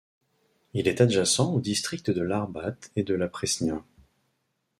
Il est adjacent au district de l'Arbat et de la Presnia.